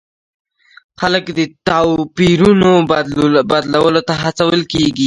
خلک د توپیرونو بدلولو ته هڅول کیږي.